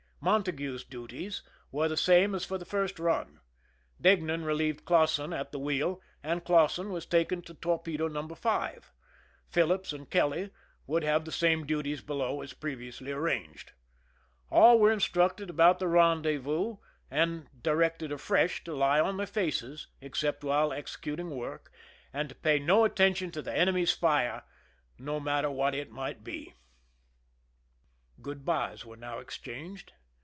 Montague's duties were the same as for the first run. Deignan relieved Clausen at the wheel, and Clausen was taken to torpedo No. 5. Phillips and Kelly would have the same duties below as pre viously arranged. All were instructed about the rendezvous and directed afresh to lie on their faces except while executing work, and to pay no atten tion to the enemy's fire, no matter what it might be. Grood bys were now exchanged.